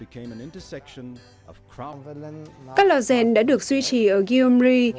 các loạt rèn đã được duy trì ở gyumri